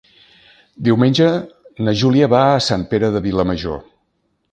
Diumenge na Júlia va a Sant Pere de Vilamajor.